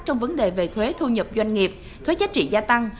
trong vấn đề về thuế thu nhập doanh nghiệp thuế giá trị gia tăng